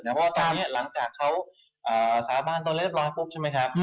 แต่ว่าตอนนี้หลังจากเขาสาบานตอนนี้แรกใช่ไหมครับ